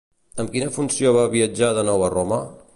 Amb quina funció va viatjar de nou a Roma?